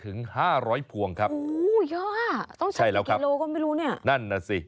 ต้องใช้อีกกิโลก็ไม่รู้เนี่ยะใช่แล้วครับนั่นน่ะสิ